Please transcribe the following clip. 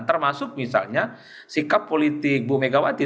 termasuk misalnya sikap politik bu megawati